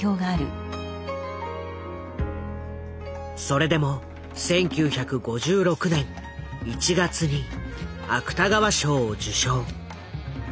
それでも１９５６年１月に芥川賞を受賞。